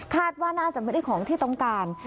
ว่าน่าจะไม่ได้ของที่ต้องการ